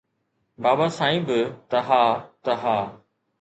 بابا سائين به ته ها ته ها